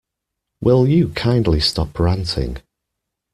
Will you kindly stop ranting?